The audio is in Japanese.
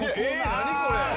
何これ！